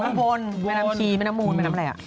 แม่น้ำอุบนแม่น้ำชีแม่น้ำมูนแม่น้ำอะไร